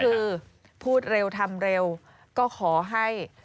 คือพูดเร็วทำเร็วก็ขอให้